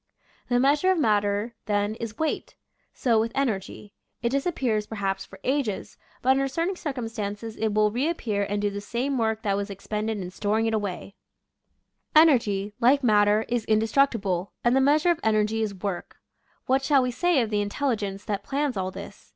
The measure of matter, then, is Weight. So with Energy; it disappears perhaps for ages, but under certain circumstances it will reap pear and do the same work that was expended in storing it away. Energy, like matter, is in , i . Original from UNIVERSITY OF WISCONSIN 166 nature's flStcacles. destructible, and the measure of energy is Work. What shall we say of the Intelligence that plans all this?